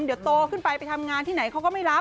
เดี๋ยวโตขึ้นไปไปทำงานที่ไหนเขาก็ไม่รับ